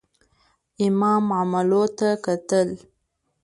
امام عملو ته کتل.